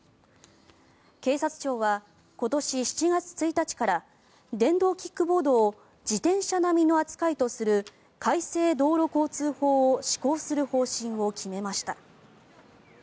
警察庁は今年７月１日から電動キックボードを自転車並みの扱いとする改正道路交通法を施行する方針を決めました。